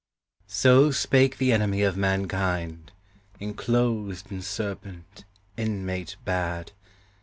So spake the enemy of mankind, inclosed In serpent, inmate bad!